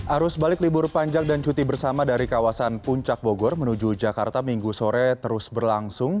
arus balik libur panjang dan cuti bersama dari kawasan puncak bogor menuju jakarta minggu sore terus berlangsung